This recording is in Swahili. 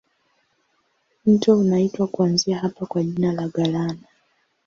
Mto unaitwa kuanzia hapa kwa jina la Galana.